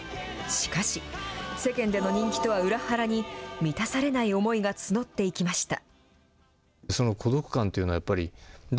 しかし、世間での人気とは裏腹に、満たされない思いが募っていきました。